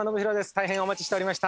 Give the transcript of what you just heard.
大変お待ちしておりました